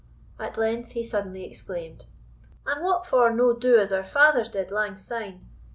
At length he suddenly exclaimed, "And what for no do as our fathers did lang syne?